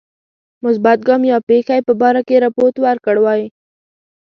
مثبت ګام یا پیښی په باره کې رپوت ورکړی وای.